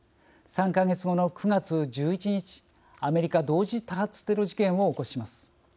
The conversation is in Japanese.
３か月後の９月１１日アメリカ同時多発テロ事件を起こします。